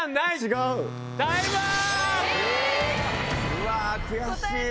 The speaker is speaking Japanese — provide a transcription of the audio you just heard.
うわ悔しい！